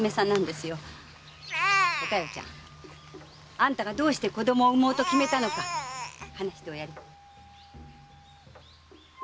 あんたがどうして子供を産もうと決めたのか話しておやりよ。